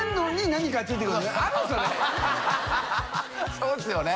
そうですよね。